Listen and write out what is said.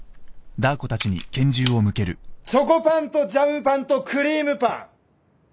チョコパンとジャムパンとクリームパン！